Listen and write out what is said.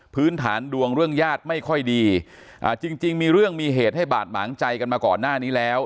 พื้นฐานดวงเรื่องญาติไม่ค่อยดีอ่าจริงจริงมีเรื่องมีเหตุให้บาดหมางใจกันมาก่อนหน้านี้แล้ว